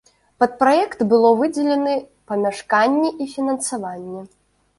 Пад праект было выдзелены памяшканні і фінансаванне.